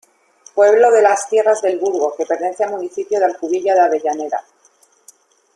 Pueblo de la Tierras del Burgo que pertenece al municipio de Alcubilla de Avellaneda.